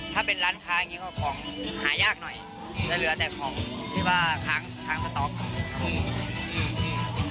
ถ้าเป็นร้านค้าอย่างงี้ก็ของหายากหน่อยจะเหลือแต่ของที่ว่าค้างค้างสต๊อกครับผมอืม